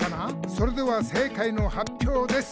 「それではせいかいのはっぴょうです！」